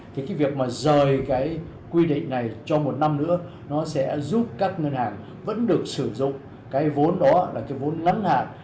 thì cái việc mà rời cái quy định này cho một năm nữa nó sẽ giúp các ngân hàng vẫn được sử dụng cái vốn đó là cái vốn ngắn hạn